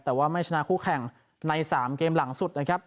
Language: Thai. แต่ว่าไม่ชนะคู่แข่งใน๓เกมหลังสุดนะครับ